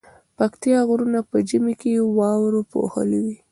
پکتيا غرونه په ژمی کی واورو پوښلي وی